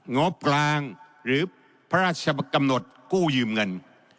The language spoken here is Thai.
งบกลางหรือพระราชกำหนดกู้ยืมเงิน